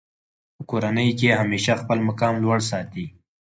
په کورنۍ کښي همېشه خپل مقام لوړ ساتئ!